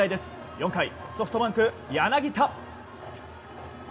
４回、ソフトバンク柳田。